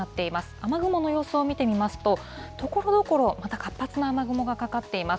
雨雲の様子を見てみますと、ところどころ、また活発な雨雲がかかっています。